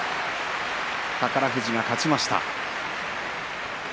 宝富士が勝ちました。